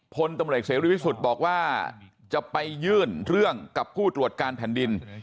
พลตำรวจเสรีพิสุทธิ์บอกว่าจะไปยื่นเรื่องกับผู้ตรวจการแผ่นดิน